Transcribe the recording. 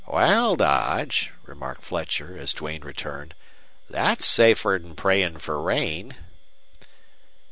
"Wal, Dodge," remarked Fletcher, as Duane returned, "thet's safer 'n prayin' fer rain."